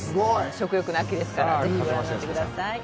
食欲の秋ですから、ぜひご覧になってください。